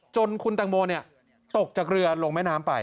จนคุณตังโมตกจากเรือลงแม่น้ำไป